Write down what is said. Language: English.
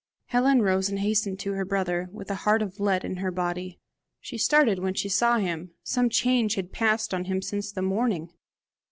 Helen rose and hastened to her brother, with a heart of lead in her body. She started when she saw him: some change had passed on him since the morning!